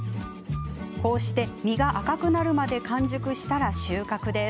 こうして実が赤くなるまで完熟したら収穫です。